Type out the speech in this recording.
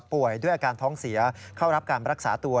ด้วยอาการท้องเสียเข้ารับการรักษาตัว